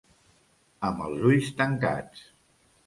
Amb els ulls tancats.